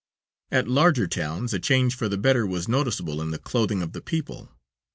At larger towns a change for the better was noticeable in the clothing of the people.